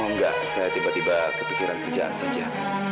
oh enggak saya tiba tiba kepikiran kerjaan saja